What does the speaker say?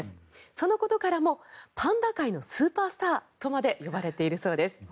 そのことからもパンダ界のスーパースターとまで呼ばれているそうです。